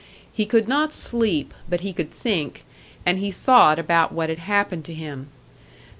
He could not sleep, but he could think, and he thought about what had happened to him.